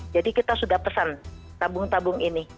jadi kita sudah pesan tabung tabung ini